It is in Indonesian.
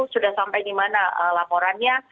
sudah sampai dimana laporannya